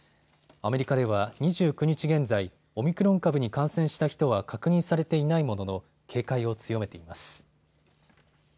アメリカでは２９日現在、オミクロン株に感染した人は確認されていないものの警戒を強めています。